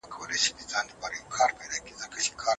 ټولنپوهنه پر بهرنیو اړیکو ټینګار کوي.